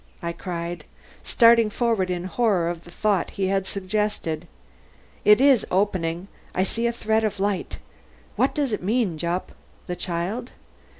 I cried, starting forward in horror of the thought he had suggested. "It is opening. I see a thread of light. What does it mean, Jupp? The child?